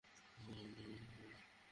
বন্ধু, সে আমাদের মানবে না।